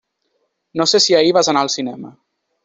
No sé si ahir vas anar al cinema.